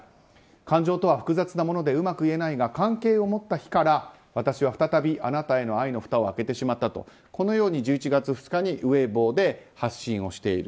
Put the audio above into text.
感情とは複雑なものでうまく言えないが関係を持った日から私は再びあなたへの愛のふたを開けてしまったとこのように１１月２日にウェイボーで発信している。